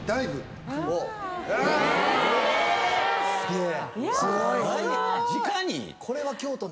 え⁉すげえ。